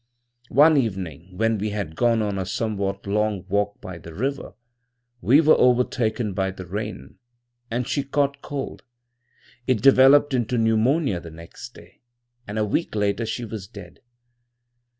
"One evening, when we had gone on a somewhat long walk by the river, we were overtaken by the rain, and she caught cold. It developed into pneumonia the next day, and a week later she was dead.